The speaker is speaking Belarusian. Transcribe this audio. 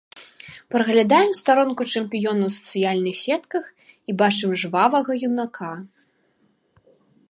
Праглядаем старонку чэмпіёна ў сацыяльных сетках і бачым жвавага юнака.